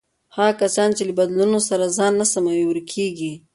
هغه کسان چې له بدلونونو سره ځان نه سموي، ورکېږي.